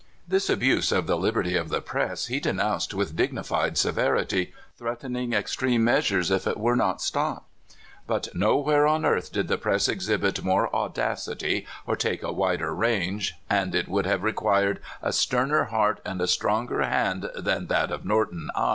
This abuse of the liberty of the press he denounced with dignified severity, threatening extreme measures unless it were stopped. But nowhere on earth did the press exhibit more audacity, or take a wider range, and it would have required a sterner heart and a stronger hand than that of Norton I.